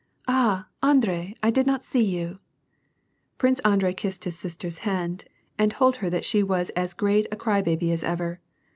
." Ah, Andrei, I did not see you !" Prince Andrei kissed his sister^s hand, and told her that she was as great a cry baby as ever.